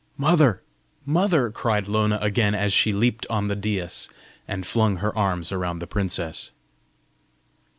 "Mother! mother!" cried Lona again, as she leaped on the daïs, and flung her arms around the princess.